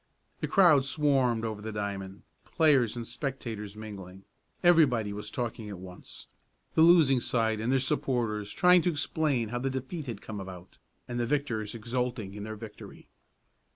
The crowd swarmed over the diamond, players and spectators mingling. Everybody was talking at once, the losing side and their supporters trying to explain how the defeat had come about, and the victors exulting in their victory.